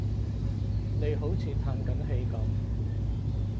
你好似歎緊氣噉